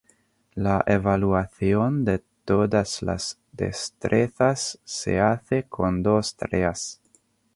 La evaluación de todas las destrezas se hace con dos tareas.